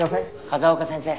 「風丘先生」